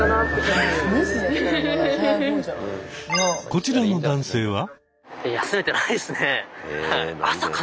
こちらの男性は。